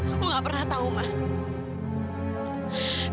aku gak pernah tahu mbak